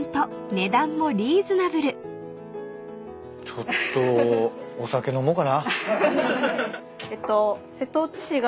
ちょっとお酒飲もうかな。